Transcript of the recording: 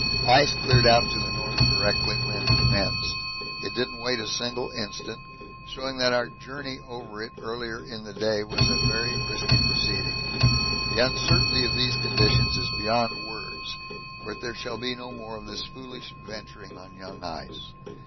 Ice cleared out to the north directly wind commenced it didn't wait a single instant, showing that our journey over it earlier in the day was a very risky proceeding the uncertainty of these conditions is beyond words, but there shall be no more of this foolish venturing on young ice.